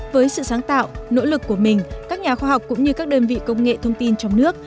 với sự sáng tạo nỗ lực của mình các nhà khoa học cũng như các đơn vị công nghệ thông tin trong nước